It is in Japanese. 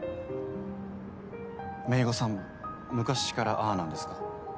めいごさん昔からああなんですか？